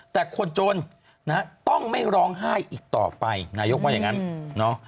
แต่คนจนนะฮะต้องไม่ร้องไห้อีกต่อไปนายกว่าอย่างนั้นเนาะ